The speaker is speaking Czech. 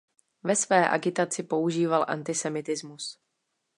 Ve své agitaci používal antisemitismus.